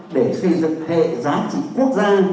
để xây dựng hệ giá trị quốc gia